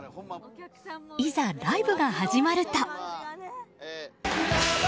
いざ、ライブが始まると。